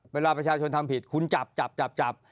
ประชาชนทำผิดคุณจับจับ